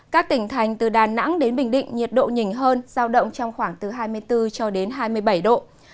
các tỉnh thành từ đà nẵng đến bình định nhiệt độ nhìn hơn giao động trong khoảng từ hai mươi bốn cho đến hai mươi bảy độ